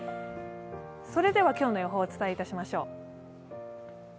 今日の予報をお伝えいたしましょう。